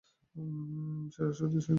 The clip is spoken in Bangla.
সেটাই সঠিক সিদ্ধান্ত জেস।